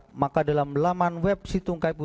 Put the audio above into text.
dan diumumkan dalam laman web situng kpu